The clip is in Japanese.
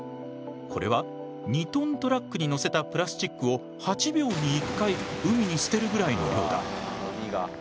これは２トントラックに載せたプラスチックを８秒に１回海に捨てるぐらいの量だ。